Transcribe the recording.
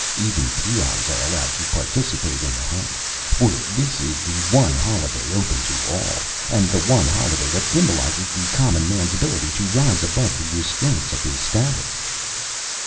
Even peons are allowed to participate in the Hunt, for this is the one holiday open to all, and the one holiday that symbolizes the common man's ability to rise above the restraints of his status."